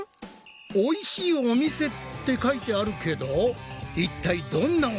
「おいしいお店」って書いてあるけど一体どんなお店なんだ？